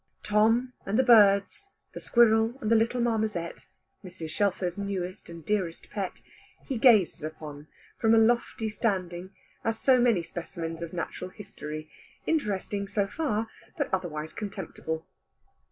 Tom, and the birds, the squirrel, and the little marmoset (Mrs. Shelfer's newest and dearest pet), he gazes upon from a lofty standing as so many specimens of natural history, interesting so far, but otherwise contemptible.